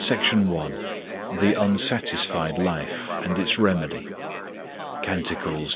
SECTION I THE UNSATISFIED LIFE AND ITS REMEDY Cant. i.